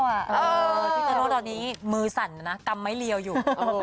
พี่โตโน่ตอนนี้มือสั่นนะกำไม้เรียวอยู่